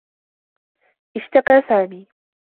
اشتكى سامي.